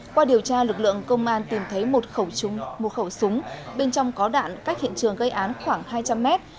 qua điều tra lực lượng công an tìm thấy một khẩu súng bên trong có đạn cách hiện trường gây án khoảng hai trăm linh mét